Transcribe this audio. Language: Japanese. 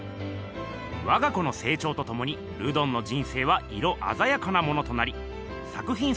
わが子のせいちょうとともにルドンの人生は色あざやかなものとなり作ひん